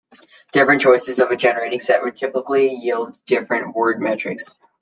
Different choices of a generating set will typically yield different word metrics.